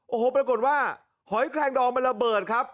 โอ้โหปรากฏว่าหอยแคลงดองมันระเบิดครับ